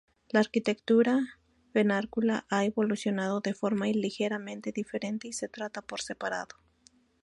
La arquitectura vernácula ha evolucionado de forma ligeramente diferente y se trata por separado.